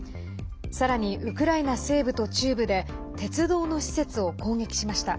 さらにウクライナ西部と中部で鉄道の施設を攻撃しました。